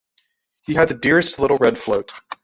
He had the dearest little red float.